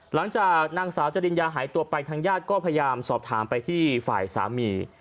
หลังจากนางสาวจริญญาหายตัวไปทางญาติก็พยายามสอบถามไปที่ฝ่ายสามี